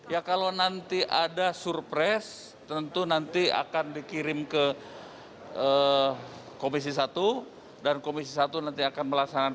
ya kalau nanti ada surpres tentu nanti akan dikirim ke komisi satu dan komisi satu nanti akan melaksanakan